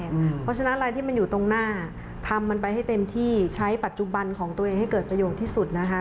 เพราะฉะนั้นอะไรที่มันอยู่ตรงหน้าทำมันไปให้เต็มที่ใช้ปัจจุบันของตัวเองให้เกิดประโยชน์ที่สุดนะคะ